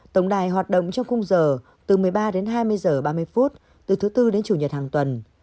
tổng đài hoạt động trong khung giờ từ một mươi ba đến hai mươi h ba mươi từ thứ tư đến chủ nhật hàng tuần